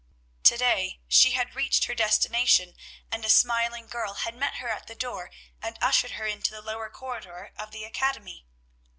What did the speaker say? To day she had reached her destination, and a smiling girl had met her at the door and ushered her into the lower corridor of the academy.